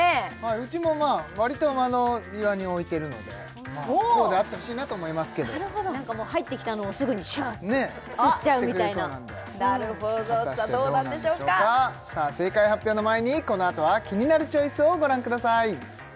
うちも割と窓際に置いてるのでこうであってほしいなと思いますけどなんかもう入ってきたのをすぐにシュ！って吸っちゃうみたいな果たしてどうなんでしょうかさあ正解発表の前にこのあとは「キニナルチョイス」をご覧ください